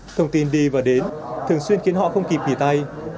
thông tin đi và đến thường xuyên khiến họ không kịp nghỉ tay